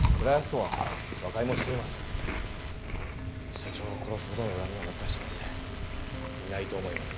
社長を殺すほどの恨みを持った人なんていないと思います。